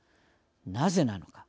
なぜなのか。